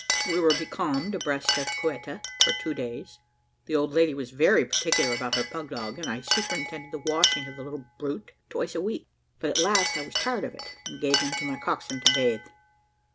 We were becalmed abreast of Ceuta for two days. The old lady was very particular about her pug dog, and I superintended the washing of the little brute twice a week but at last I was tired of it, and gave him to my coxswain to bathe.